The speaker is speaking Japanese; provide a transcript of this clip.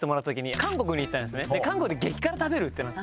韓国で激辛食べるってなって。